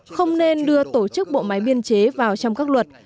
không nên đưa tổ chức bộ máy biên chế vào trong các luật